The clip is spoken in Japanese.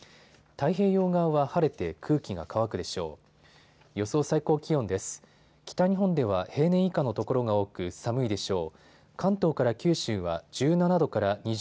太平洋側は晴れて空気が乾くでしょう。